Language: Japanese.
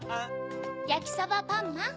やきそばパンマン。